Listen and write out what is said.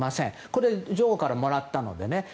これは女王からもらったので。